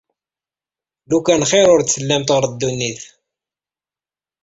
Lukan xir ur d-tellamt ɣer ddunit.